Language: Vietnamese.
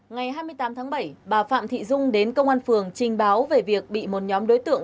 ngày hai mươi tám tháng bảy bà phạm thị dung đến công an phường trình báo về việc bị một nhóm đối tượng